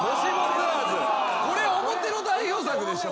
表の代表作でしょ。